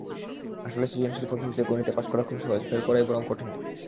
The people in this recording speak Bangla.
আসলে সৃজনশীল পদ্ধতিতে গণিতে পাস করা খুব সহজ, ফেল করাই বরং কঠিন।